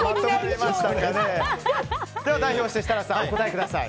では代表して設楽さんお答えください。